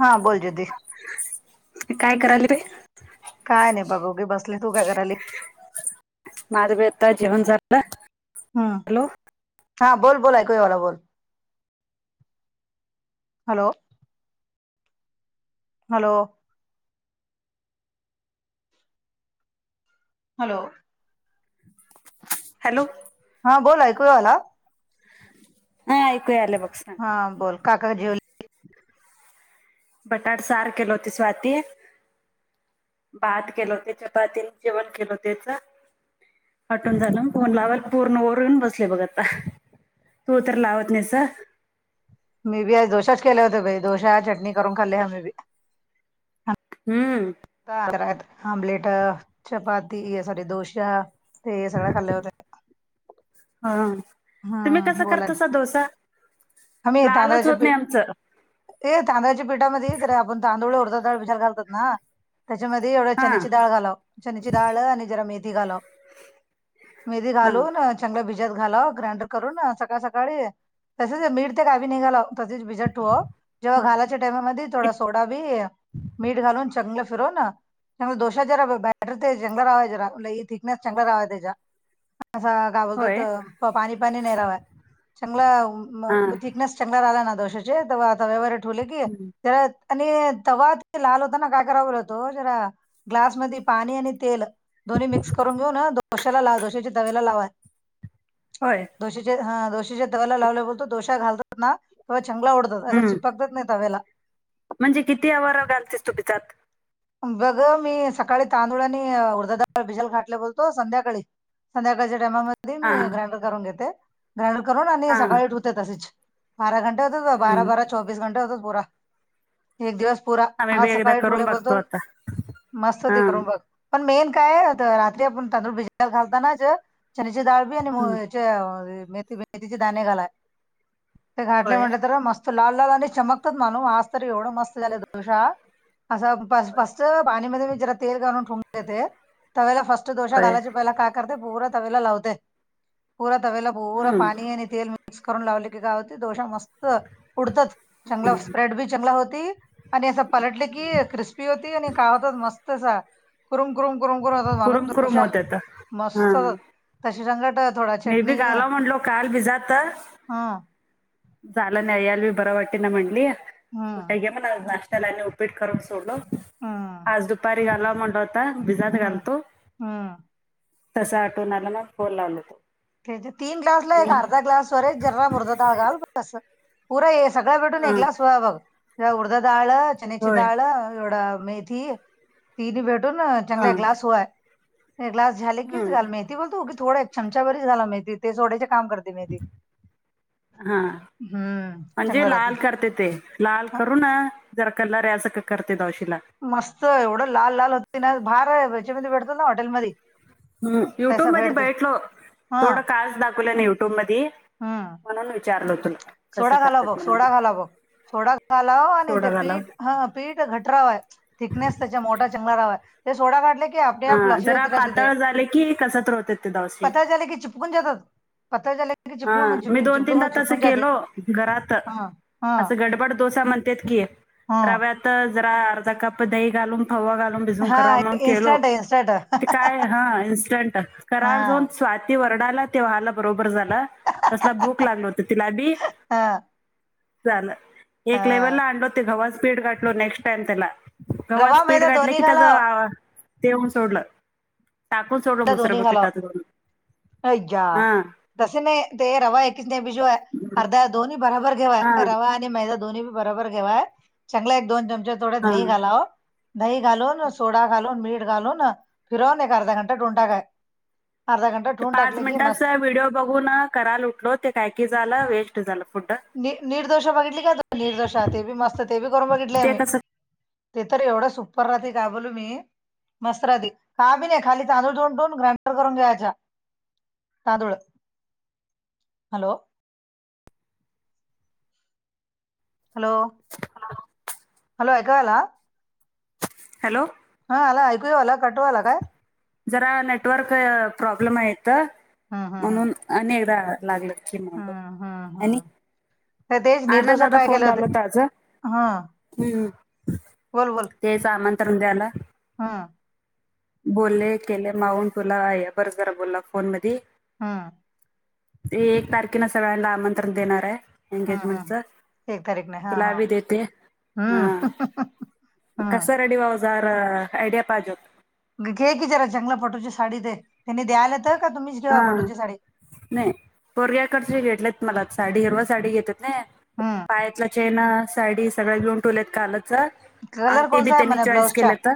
हा बोल दीदी काय कराले बे? काय नाही बघव घे बसले, तू काय कराले? माझ बी आता जेवण झालं. हम्म हॅलो हा हा, बोल बोल ऐकु येऊ आला बोल. हॅलो. हॅलो. हॅलो. हॅलो. हा बोल, ऐकू येऊ आला? हा ऐकू यायलय बघ, सांग. हा बोल, काका जेवले? बटाट सार केलो होती स्वाती. भात केलो, ते चपाती न जेवण केलो त्याच. आटून झालं न फोन लावायला पूर्ण ओरून बसले बघ आता. तू तर लावत नाहीस अ मी बी आज डोशाच केले होते बाई, डोशा-चटणी करून खाल्ली आम्ही बी. हम्म. का करात, आमलेट, चपाती सॉरी डोशा ते सगळ्या खाल्ल्या होते. हा, तुम्ही हम्म कसं बोला ना करतासा डोसा? आम्ही लालच तांदळाचे होत नाही पीठ आमचं. ए तांदळाच्या पीठामध्ये जरा आपण तांदूळ, उडदाची डाळ भिजत घालतोत ना त्याच्यामध्ये एवढ्या हा चनेची डाळ घालाव, चनेची डाळ आणि जरा मेथी घालाव मेध्ये हा घालू न चांगल भिजत घालाव, ग्राइंडर करून अ सकाळ-सकाळी तसेच, मीठ ते काही बी नाही घालाव तसेच भिजत ठोवाव, जेव्हा घालाच्या टायमामध्ये थोड सोडा बी अ मीठ घालून चांंगलं फिरवून अ चान्गलं दोशा जरा बॅटर ते चान्गलं राहाव जरा लय थिकनेस चान्गला राहावा त्याचा, असा काय होय बोलतात पाणी-पाणी नाय रहावा, चांगला म हा थिकनेस चान्गला राहिला ना दोशाचे, तवा आता तव्यावर ठेवलं कि जरा आणि तवा ते लाल होताना काय कराव होतो जरा ग्लासमध्ये पाणी आणि तेल दोन्ही मिक्स करून घेऊन दोश्याला लाव, दोश्याच्या तव्याला लावा. होय. दोशेच्या हा, दोशेच्या तव्याला लावला होतो तो दोशा घालातात ना तवा चांंगला ओडत असं हम्म चिपकत नाही तव्याला. म्हणजे किती [inaudible] घालतेस तू तेच्यात? बघ अ मी सकाळी तांदूळ आणि उडदाच डाळ भिजल घालतो बोलतो संध्याकाळी संध्याकाळच्या टायमामध्ये हा मी ग्राइंडर करून घेते, ग्राइंडर करून आणि हा सकाळी धुते तशेच बारा घंटे होतात, बारा हम्म बारा चौबीस घंटे होतात पूरा एक दिवस पुरा, आम्ही हा बी एकदा सकाळी करून थोडे बघतो बोलतो. आता मस्त हा ते करून बघ पण मेन काय रात्री आपण तांदूळ भिजत घालतानाच चण्याची डाळ बी आणि याचे मेथी मेथीचे दाणे घालाय ते घाटले होय म्हटले तर मस्त लाल लाल आणि चमकतात माणू आज तर एवढं मस्त झालं दोशा हा असं ब फर्स्ट पाणीमध्ये जरा तेल घालून फुकून देते. तव्याला फर्स्ट दोशा होय घालायचे पहिला काय करते बहुरा तवेला लावते बहुरा तवेला बहुरा हम्म पाणी आणि तेल मिक्स करून लावले की गाव ते दोशा मस्त [unintelligible] उडतच चांगला स्प्रेड बी चांगला होती आणि असं पलटले की क्रिस- -स्पी होती आणि काव होत मस्त असा कुरूम कुरूम कुरुम कुरम होतो माणूस कुरुम कुरुम डोशा होत्यात हा मस्त होतात. तश्या संघट थोडा मी बी चटणी घालाव म्हणलो काल बी जात हं झालं न अयलवी बरावाटीन मणली हम्म कुठं गे म नाश्त्याला उपिट करून सोडलो. हम्म आज दुपारी घालाव म्हणलं होतं भिजत हम्म घालतो. हम्म तसं आठवून आला ना फोन लावलं तो तेेजे तीन ग्लासला एक आणि अर्धा ग्लास वर जरा मुर्द ताळ घाल कसं पुर ये सगळं भेटून एक हा ग्लास बघ उडदाचं डाळं चण्याची होय डाळ एवढं मेथी तीन भेटून हा चांगला ग्लास हय ग्लास झाले की हम्म चल मेथी बोलते उगीच थोडेच एक चमचा बरी झाला मेथी ते सोडायचे काम करत हा हम्म चांगलं म्हणजे राहते लाल करते ते लाल हं, करून जर कलर यायं सारखे करते दावशीला मस्त एवढं लाल लाल होतेती ना भार आहे त्याच्यामध्ये भेटतो ना हॉटेलमधी हं युट्यूब मध्ये बैटलो हा थोडं कास दाखवलं ना युट्यूब मधी हम्म म्हणूनच विचारलं हो तुला कसं सोडा घाला करतात बघ म्हणून सोडा घाला बघ सोडा घालाव आणि सोडा ते घालाव पीठ ह पीठ घटराव आहे थिकनेस तेची मोठा चंगला रावा ते सोडा गाठला की आपले आप हा लफे जरा होत रा दे पातळ झाले की कसत होते ते दावशी पता चले की चु फुकून जातात पता चले हं मी दोन तीनदा तसं केलो घरात हा हा असं घ गडबड डोसा म्हणत्यात की हा रव्यात जरा अर्धा कप दही घालून फव घालून भिजवून हा करावं म्हणून केलो इन्स्टंट आहे इन्स्टंट आहे. ते काय हा इनस्टंट करावं जाऊन हा स्वाद ते वरडायला ते व्हाला बरोबर झालं ते तसला भूक लागलं होतं तिला बी हा झालं एक लेव्हल हा ला आणलो ते घवाचं पीठ गाठलो नेक्स्ट टाइम तेला रवा घावाचं पीठ मैदा गाठलं दोन्ही की त्याच घालाव तेऊन सोडलं. टाकून सोडलं मैदा मोश्रब दोन्ही घालाव किटातून हं तसं नाही ते रवा एकच बिजवं अर्धा दोन्ही बराबर हा घेवं रवा आणि मैदा दोन्ही बरोबर घेवा चांगलयं एक दोन चमचे थोडे हा दही घालावं आणि दही घालून सोडा घालून मीठ घालून फिरवून एक अर्धा घंटा अर्धा घं [inaudible] पाच मिनिटाच व्हिडिओ बघून करायला उठलो ते काय की झालं वेस्ट झालं फड- नि निर्दोषा बघितली का तू निर्दोष ते बी मस्त ते बी करून बघितले ते आम्ही. कसं ते तर एवढं सुपर राहते का बोलू मी मस्त राहते. का बी नाही खाली तांदूळ धोवुन ग्राँंडर करून घ्यायच्या- तांदुळ हॅलो हॅलो. [inaudible] हॅलो ऐकू आला हॅलो. हा आला ऐकूया आला कटू आला काय? जरा नेटवर्क प्रॉब्लेम हाय इथं हम्म हम्म हम्म म्हणून आणि एकदा लागला किमग हम्म हम्म हम्म आणि तर तेच आनंद निर्दोष दादा ट्राय फोन केलं होत लावल आज. हं, हम्म. तेच आमंत्रण द्यायला. हां. बोलले केले माऊून तुला आहे बरं बरा बोलला फोन मधी हम्म. ते एक तारखेला सगळ्यांना आमंत्रण देणार आहे हं, एंगेजमेंटच हं. तारीख नाही. हां, तुला हां. बी देेते हं. हं. हां. कस रेडी वावझार ऐडिया पाजोत. घे की जरा चांगलं पटोची साडी ते त्यांनी द्यायला तर का तुम्हीच घेवा हा पटोची साडी. नाही पोरग्याकडचे घेतलेत मला साडी हिरवा साडी घेतेत नाही. हम्म. पायातलं चेन साडी सगळं घेऊन ठेवलेत कालच कलर अंगठी बी कोणसा आहे त्यांनी म्हणे चाइस ब्लाउजच्या? केलंत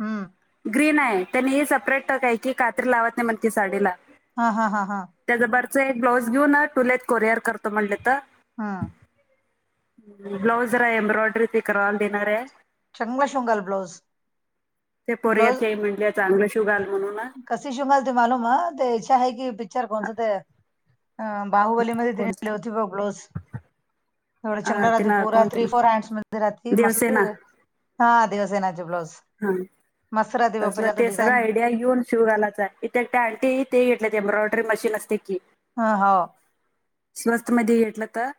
हं. ग्रीन आहे त्यांनी हे सपरेट काय की कात्री लावत नाही म्हणत साडीला. हा हा हा हा. त्याजवरच एक ब्लाऊज घेऊन टुलेत कोरिअर करतो म्हणलेत हां. ब्लाउज जरा एम्ब्रॉयडरी बी करून देणार आहे. चांगला शिवून ब्लाउज. ते ब्लाउज पोरग्याची आई म्हटल्या चांगलं शुवु घाल म्हणून कशी शिव मालते मालूम ते [unintelligible] पिक्चर कोणसा ते अह बाहुबलीमध्ये [unintelligible] कोणचं ब्लाऊज थोड अ चंगल ते राहते ना पुरा कोणते थ्री ना फोर हँडस म धी राहती मस्त देवसेना हा देवसेनेचा ब्लाऊज हा तसलं ते सगळं आयडिया घेऊन शिवू घालायचा [unintelligible] ते घेतले एम्ब्रॉयडरी मशीन असते की हा हाव. स्वस्त मध्ये घेेतलं तर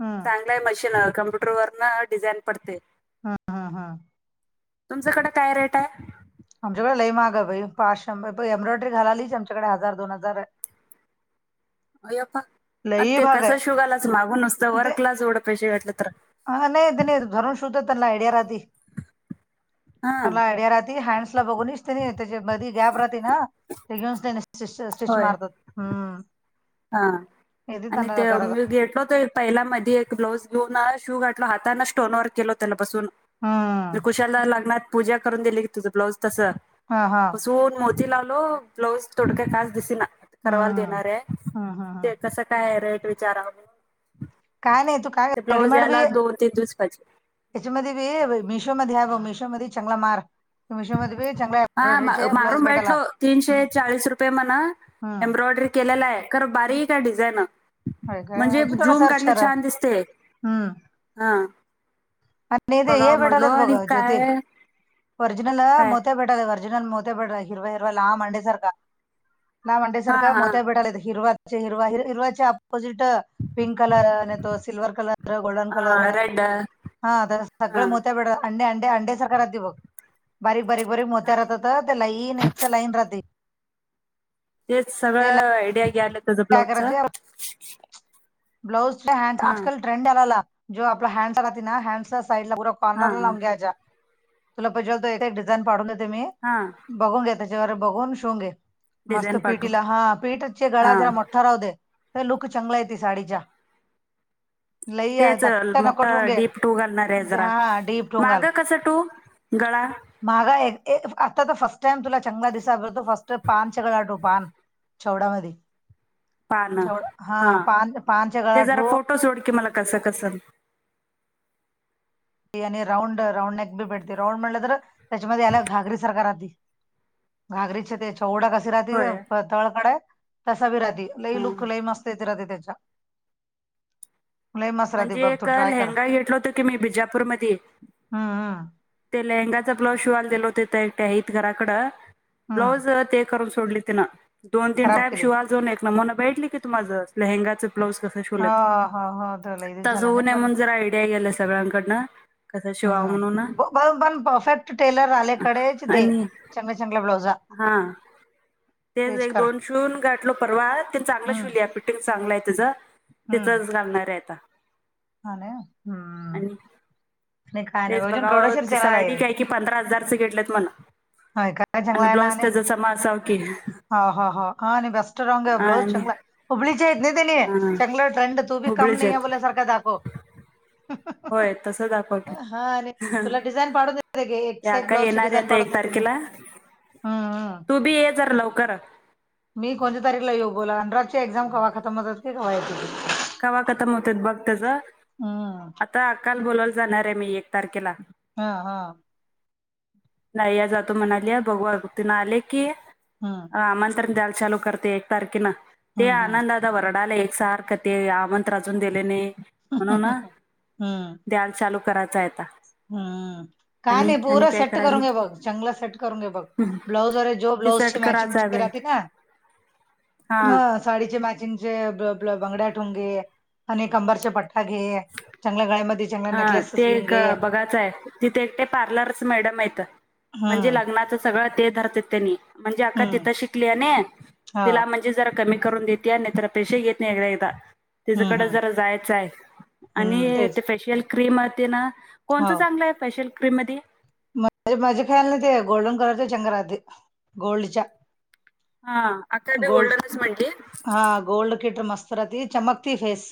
हम्म. चांगलं आहे मशीन कम्प्युटर वर न डिझाईन पडते. हा हा हा. तुमच्याकडे काय रेट आहे? आमच्याकडे लई महाग आहे बाई पाच शंभर ए्ब्रॉयडरी घालालीच आमच्याकडे हजार दोन हजार आहे अयप्पा आणि लई ते महाग आहे कसं शिऊ घालायचं मागून घ्यायला नुसतं ते वर्कलाच जोडत [unintelligible] वाटल तर. हा नाही त्यांनी धरून शीवत तेन्हा आईडीया राहते. हा त्याला आयडिया राती हँड्स ला बघून- ते नाही त्याचा मधी गॅप राहते ना ते घेऊनच स्टिच स्टिच होय. मारतात हम्म. हा येते आणि त्यांना ते करायला मी घेेतल ते पहिला मधी एक ब्लाऊज लुना शिऊ घातला हाताने स्टोन वर्क केल त्यान बसून. हम्म. ''कुशाला लग्नात पूजा करून दिली की, तुझं ब्लाउज तसं, '' हा हा. ''दोन मोती लावलो, ब्लाऊज थोडक्या कास दिसना कवायला हम्म देणार आहे. '' हम्म हम्म हम्म ''कसं काय आहे, रेट विचारा मग ते काय नाही तू काय ब्लाऊज ते ब्लाउज यायला दोन-तीन दिवस पाहिजे. '' ''त्याच्यामध्ये वे मिशोमध्ये हाय, बघ मिशोमध्ये चांगला मार-'' मिशो मध्ये बी चांगला हां, एम्ब्रॉयडरीचे ब्लाउज मारून भेटाला बेटलो, तीनशे हम्म चाळीस रुपये म्हणा. हम्म. ''एम्ब्रॉयडरी केलेला आहे, खरं बारीकय डिझाईन. '' होय काय ''म्हणजे अजी थोडा जूम सर्च काढले करा छान दिसते, हम्म हा. आणि '' ते बघाव म्हणलो आणि काय- ''ओरिजनल, काय मोते्या भेटा ओरजिनल मोते भेटा हिरवा हिरवा लाम मांडेसारखा, '' ''ना हा मांडेसारखा, हा मोत्या भेटाला हिरवाचे हिरवा हिरवाचे अपोजिट, '' पिंक कलर अन तो सिल्वर कलर, गोल्डन कलर, ड. ''हां, सगळ मोत्या बेटात अंडे, अंडे, अंडे सारखं राहते बघ, बारीक-बारीक-बारीक मोत्या राहतात. '' दलाईने सलाइन राहते. ''तेच ते लाईन सगळं आयडिया घ्यालं तुझ ब्लाउजच. '' ''ब्लाउज हड आजकाल ट्रेंड आलाला, जो आपला हँड राहते ना हँड्सला साइडला उरव, '' हा ''पाणारला लाम घ्याच्या, तुला पाहिजे तर एक डिझाईन पाडून देते मी, '' हां ''बघून घे त्याच्यावर बघून शिवन घे, मस्त डिझाईन पाठवू पिटीला हां पीठचे हा गळा-'' राहूदे, लुक चांगला येते साडीच्या, [inaudible] लई आहे, तेच, धक्का मोठ नको ठोंगे डीप टू घालणार आहे जरा हा डीप मागं कस टू- गळा, ''मागा एक आता फर्स्ट टाइम तुला चांला दिसतो, फर्स्ट टाईम पानचा गळा ठेव. '' पान चवडामध्ये, पान हां, पान पानच्या ते गळा जरा ठेव फोटो सोड की मला कसं कसं, ''ते आणि राऊंड-राऊंड बी भेटते राऊंड म्हटलं तर, त्याच्यामध्ये याला घागरी सारखा राहती. '' घागरीचे ते चौडा कशी राहतील होय पतळकडे? तसा भी राहती, लई हा लुक लई मस्त येत राते त्याच्या, लय मसरा ते ''म्हणजे बघ तू एक ट्राय कर लेहंगा घेतलं होत की, मी बिजापूरमध्येध्ये. '' हं ते लेहंगाचा ब्लाऊज शिवायला दिले होत तेहात घराकडे, हम्म ब्लाऊज ते- ''करून सोडल तीन, दोन-तीन खराब टाईम केली शिवायचं एक म्हणून भेटली का तु माझं लेहगाच, '' [unintelligible] हं हं हं ''तसं होऊ ने म्हणून, जर आयडिया गेला सगळ्यांकडनं. '' ''हं, ब पण परफेक्ट टेलर वाल्याकडेच दे, आणि चांगल्या- चांगल्या ब्लाउजा. '' हा. ''तेच एक दोन शून गाठलो परवा, ते चांगला हम्म शूलीया फिटिंग चांगला आहे त्याच, '' तिचाच, घालणार आहे आता, हान हं, आणि नाही काय नाही तेच रजन कौडेशर बघावं चराला साडी आहे. काय की ''पंधरा हजारच घेतलेत म्हण, होय काय आणि ब्लाउज त्याचा समा असा की, '' हां हां हां, हाआणि बेस्ट रॉंग ब्लाउज आणि चांगला. ''हबळीचे आहेत नाही त्याने, हा चांगलं ट्रेंड तू बी काम हुबळीचे नाही आहे आहेत बोलासारखा दाखव. '' होय तसं दाखवतं. आणि तुला डिझाईन पाडून दे एक साईड ब्लाउजची डिझाईन पाडून देतो. केला, तू बी ये जरा लवकर. मी कोणत्या तारीखला येऊ बोला? अनराजची एक्झाम कवा खतम होयची ती कवा येयची? कवा खतम होतेत बघ त्याचं. हम्म. आता आक्काला बोलावयला जाणार आहे मी एक तारखेला. हा हा. नाहीया जातो म्हणाली, बघू तिनं‌ आले की हम्म. आमंत्रण द्याला चालू करते एक तारखेनं, ते हम्म हम्म. आनंदा दादा वरडालंय एकसारखं. ते आमंत्रण आजून दिले नाय, म्हणून ना हम्म द्याला चालू करायचंय‌ आता. हम्म, का आणि नाही आणि पूर काय सेट करायली करून घे बघ, चांगला सेट करून घे बघ. ब्लाऊज वर जो ते ब्लाऊज सट ची मॅचिंग करायचं आहे [unintelligible] बाई राहती ना हा. ह साडीचे मॅचिंगचे ब ब ब्ल बंगड्या ठेऊन घे. आणि कंबरच्या पट्टठा घे, चांगल्या गळ्यामध्ये चांगला हा नेकलेसेस ते घेऊन एक घे. बघायचाय. तिथं एक ते पार्लरस मॅडम हायतं, म्हणजे हम्म लग्नाचं सगळं ते धरतेत त्यांनी. म्हणजे अक्का हम्म तिथं शिकले ने हो तिला म्हण जे जरा कमी करून देते आणि त पैशा घेत नाय [unintelligible] हम्म तिच्याकडं हम्म जरा जायचंय हम्म आणि ते तेच फेशियल क्रीम ते ना हो. कोणचं चांगलं आहे फेशियल क्रीम मध्ये? माझ्या फॅनला ते गोल्डन कलर चंग राहते गोल्डच्या. हा. अक्का बी गोल्ड गोल्डनच म्हटली हा गोल्ड किट मस्त राहती चमकती फेस.